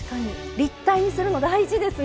立体にするの大事ですね。